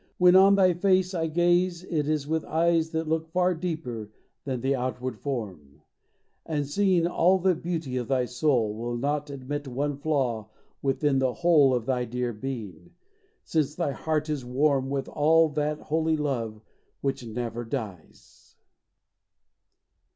— When on thy face I gaze it is with eyes That look far deeper than the outward form, And seeing all the beauty of thy soul, Will not admit one flaw within the whole Of thy dear being, since thy heart is warm With all that holy love which never dies.